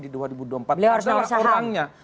di dua ribu dua puluh empat ini adalah orangnya